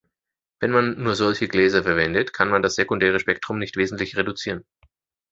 Wenn man nur solche Gläser verwendet, kann man das sekundäre Spektrum nicht wesentlich reduzieren.